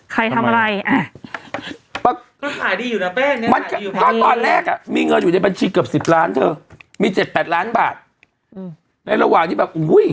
ใครตัดลายงั้นตอนแรกอ่ะมีเงินอยู่ในบัญชีเกือบสิบล้านเถอะมี่เจ็ดแปดล้านบาทแล้วระหว่างนี้แบบอู้ย